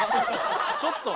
ちょっと！